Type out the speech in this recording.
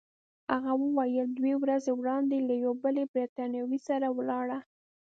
هغه وویل: دوه ورځې وړاندي له یوې بلې بریتانوۍ سره ولاړه.